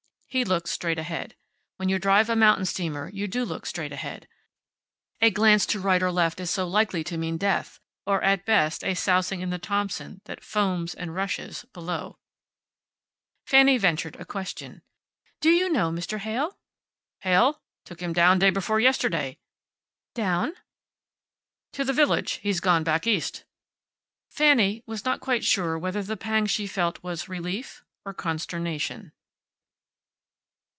He looked straight ahead. When you drive a mountain steamer you do look straight ahead. A glance to the right or left is so likely to mean death, or at best a sousing in the Thompson that foams and rushes below. Fanny ventured a question. "Do you know Mr. Heyl?" "Heyl? Took him down day before yesterday." "Down?" "To the village. He's gone back east." Fanny was not quite sure whether the pang she felt was relief or consternation.